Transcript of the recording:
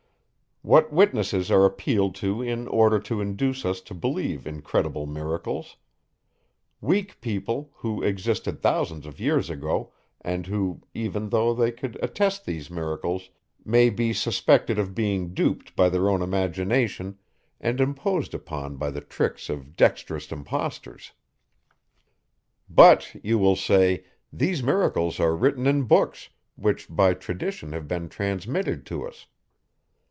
What witnesses are appealed to in order to induce us to believe incredible miracles? Weak people, who existed thousands of years ago, and who, even though they could attest these miracles, may be suspected of being duped by their own imagination, and imposed upon by the tricks of dexterous impostors. But, you will say, these miracles are written in books, which by tradition have been transmitted to us.